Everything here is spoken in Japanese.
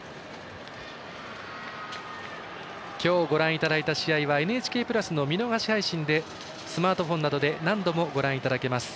今日ご覧いただいた試合はＮＨＫプラスの見逃し配信でスマートフォンなどで何度もご覧いただけます。